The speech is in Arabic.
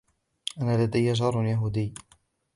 أنا لدي جار يهودي.